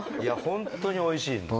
ホントおいしい